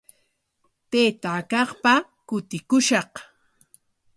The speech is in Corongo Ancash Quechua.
Taytaa kaqpa kutikushaq.